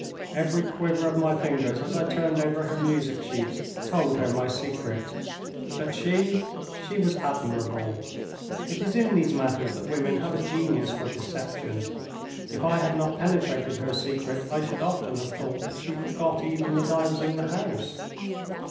Every quiver of my fingers as I turned over her music sheets told her my secret. But she she was admirable. It is in these matters that women have a genius for deception. If I had not penetrated her secret I should often have thought that she forgot even that I was in the house.